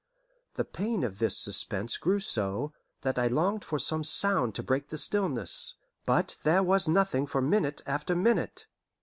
The pain of this suspense grew so, that I longed for some sound to break the stillness; but there was nothing for minute after minute.